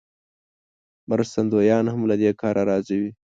مرستندویان هم له دې کاره راضي وي.